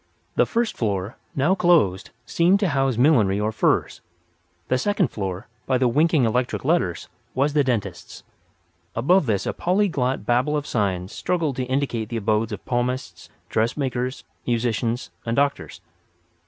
The first floor, now closed, seemed to house millinery or furs. The second floor, by the winking electric letters, was the dentist's. Above this a polyglot babel of signs struggled to indicate the abodes of palmists, dressmakers, musicians and doctors.